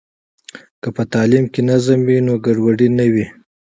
که په تعلیم کې نظم وي، نو ګډوډي نه وي.